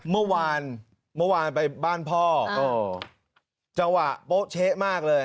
เมื่อวานเมื่อวานไปบ้านพ่อจังหวะโป๊ะเช๊ะมากเลย